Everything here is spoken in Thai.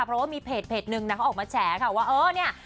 เพราะว่ามีเพจนึงนะเขาออกมาแฉค่ะว่าเออเนี่ย